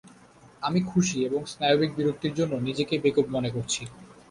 আমি খুশী এবং স্নায়বিক বিরক্তির জন্য নিজেকেই বেকুব মনে করছি।